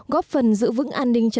góp phần giữ vững an ninh